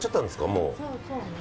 もう。